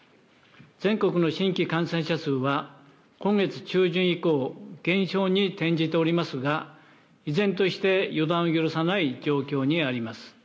全国の新規感染者数は、今月中旬以降、減少に転じておりますが、依然として予断を許さない状況にあります。